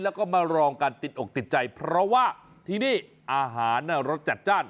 แล้วก็มารองกันติดอกติดใจเพราะว่าที่นี่อาหารรสจัดจ้าน